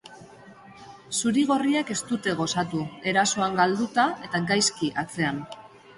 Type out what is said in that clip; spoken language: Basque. Zurigorriek ez dute gozatu, erasoan galduda eta gaizki atzean.